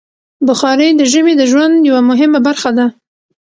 بخاري د ژمي د ژوند یوه مهمه برخه ده.